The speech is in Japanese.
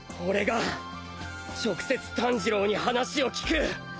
兇直接炭治郎に話を聞く。